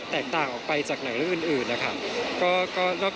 แตกต่างออกไปจากหนังเรื่องอื่นนะคะ